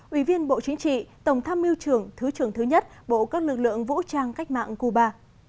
ủy viên bộ chính trị tổng tham mưu trưởng thứ trưởng thứ nhất bộ các lực lượng vũ trang cách mạng cuba